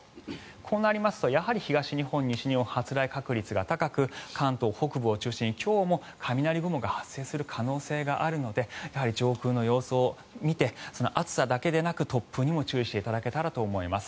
こうなりますとやはり東日本、西日本は発雷確率が高く関東北部を中心に、今日も雷雲が発生する可能性があるのでやはり上空の様子を見て暑さだけではなく突風にも注意していただけたらと思います。